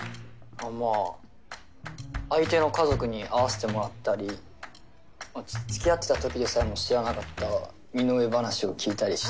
まあ相手の家族に会わせてもらったりつきあってたときでさえも知らなかった身の上話を聞いたりして。